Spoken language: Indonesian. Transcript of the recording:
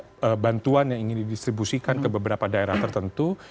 ada bantuan yang ingin didistribusikan ke beberapa daerah tertentu